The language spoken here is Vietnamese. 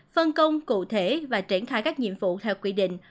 phân công cụ thể và triển khai các nhiệm vụ theo quy định